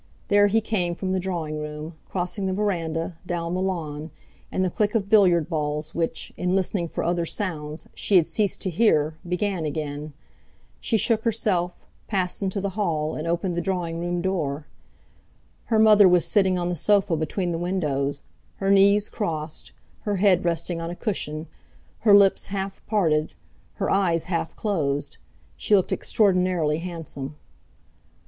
There he came from the drawing room, crossing the verandah, down the lawn; and the click of billiard balls which, in listening for other sounds, she had ceased to hear, began again. She shook herself, passed into the hall, and opened the drawing room door. Her mother was sitting on the sofa between the windows, her knees crossed, her head resting on a cushion, her lips half parted, her eyes half closed. She looked extraordinarily handsome.